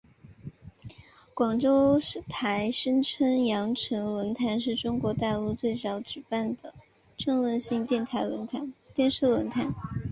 广州台声称羊城论坛是中国大陆最早举办的政论性电视论坛。